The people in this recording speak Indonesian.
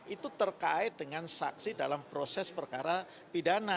itu terkait dengan saksi dalam proses perkara pidana